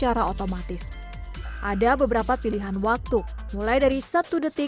ergonomi pakek sebenarnya masih isu penuh